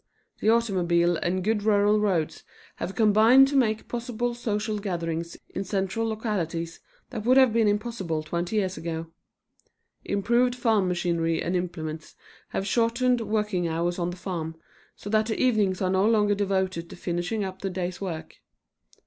The automobile and good rural roads have combined to make possible social gatherings in central localities that would have been impossible twenty years ago. Improved farm machinery and implements have shortened working hours on the farm, so that the evenings are no longer devoted to finishing up the day's work.